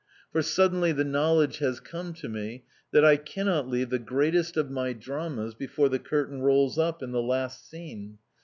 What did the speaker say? For suddenly the knowledge has come to me that I cannot leave the greatest of my dramas before the curtain rolls up in the last scene.